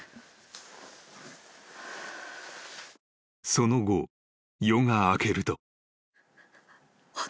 ［その後夜が明けると］